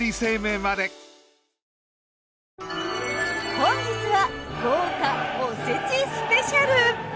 本日は豪華おせちスペシャル！